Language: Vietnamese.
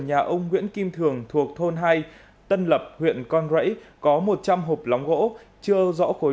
nhà ông nguyễn kim thường thuộc thôn hai tân lập huyện con rẫy có một trăm linh hộp lóng gỗ chưa rõ khối